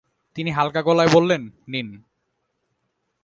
তিনি হালকা গলায় বললেন, নিন।